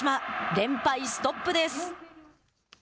連敗ストップです。